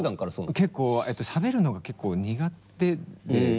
結構しゃべるのが結構苦手で。